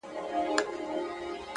هره پرېکړه یوه نوې لاره جوړوي,